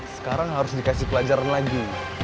sekarang harus dikasih pelajaran lagi